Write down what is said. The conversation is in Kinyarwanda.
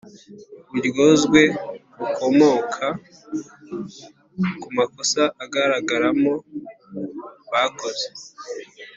uburyozwe bukomoka ku makosa agaragaramo bakoze